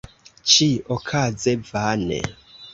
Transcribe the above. Ĉi-okaze vane.